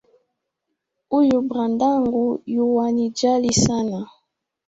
Huyu bradhangu yuwanijali sana